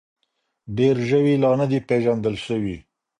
ډېر ژوي لا نه دي پېژندل شوي.